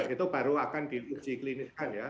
itu baru akan diuji klinis kan ya